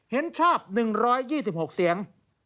เห็นชอบ๑๒๖เสียง